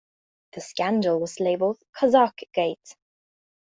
The scandal was labeled "Kazakhgate".